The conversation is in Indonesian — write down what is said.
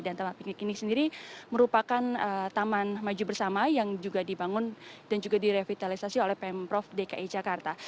dan taman piknik ini sendiri merupakan taman maju bersama yang juga dibangun dan juga direvitalisasi oleh pemprov dki jakarta